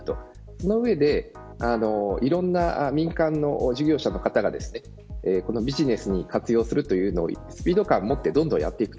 その上でいろんな民間の事業者の方がビジネスに活用するというのをスピード感をもってやっていく。